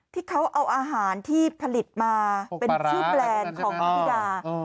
ที่เขาเอาอาหารที่ผลิตมาเป็นชื่อแบรนด์ของธิดา